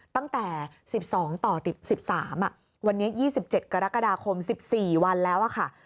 ตั้งแต่๑๒ต่อ๑๓วันนี้๒๗กรกฎาคม๑๔วันแล้วค่ะ